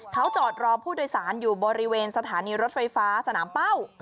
เขาจอดรอผู้โดยสารอยู่บริเวณสถานีรถไฟฟ้าสนามเป้า